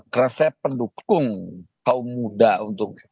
kerasa pendukung kaum muda untuk